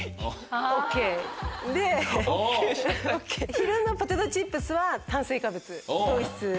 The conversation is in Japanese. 昼のポテトチップスは炭水化物糖質。